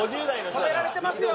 ホメられてますよ！